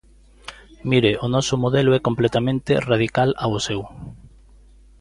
Mire, o noso modelo é completamente radical ao seu.